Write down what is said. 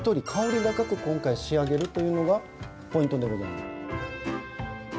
高く今回仕上げるのがポイントでございます。